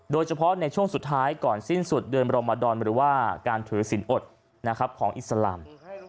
โดยเฉพาะในช่วงสุดท้ายก่อนสิ้นสุดเดือนบรมดอนหรือว่าการถือสินอดของอิสลาม